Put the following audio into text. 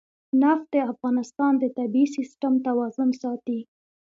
نفت د افغانستان د طبعي سیسټم توازن ساتي.